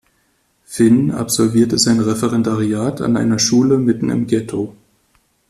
Finn absolviert sein Referendariat an einer Schule mitten im Ghetto.